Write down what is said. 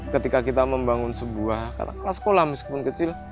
ketika kita membangun sebuah kelas sekolah meskipun kecil